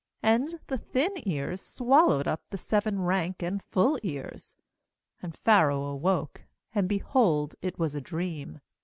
7And the thin ears swallowed uj the seven rank and full ears, An< Pharaoh awoke, and, behold, it was i dream.